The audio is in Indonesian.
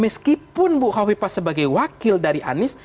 meskipun bu hovipa sebagai wakil dari anies